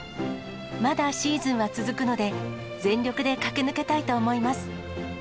まだシーズンは続くので、全力で駆け抜けたいと思います。